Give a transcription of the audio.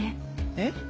えっ？